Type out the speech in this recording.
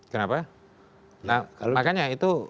kenapa nah makanya itu